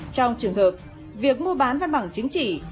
trong trường hợp việc mua bán văn bằng chứng chỉ